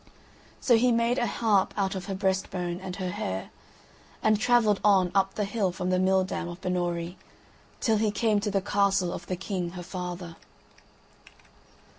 So he made a harp out of her breast bone and her hair, and travelled on up the hill from the mill dam of Binnorie, till he came to the castle of the king her father.